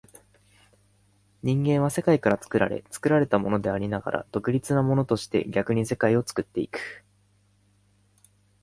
人間は世界から作られ、作られたものでありながら独立なものとして、逆に世界を作ってゆく。